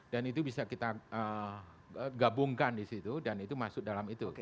dan itu bisa kita gabungkan di situ dan itu masuk dalam itu